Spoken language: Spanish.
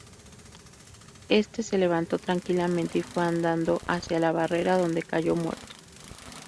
Éste se levantó tranquilamente y fue andando hacia la barrera, donde cayó muerto.